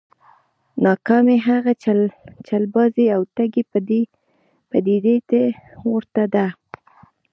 ناکامي هغې چلبازې او ټګې پديدې ته ورته ده.